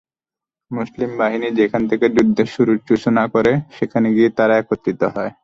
মুসলিম বাহিনী যেখান থেকে যুদ্ধের সূচনা করে সেখানে গিয়ে তারা একত্রিত হয়।